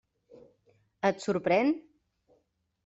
Et sorprèn?